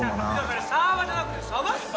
それサーバーじゃなくて鯖っすよ！